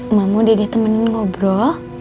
emak mau didih temenin ngobrol